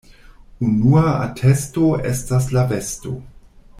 Unua atesto estas la vesto.